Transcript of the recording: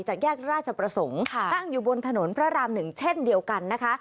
แยกราชประสงค์ตั้งอยู่บนถนนพระราม๑เช่นเดียวกันนะคะ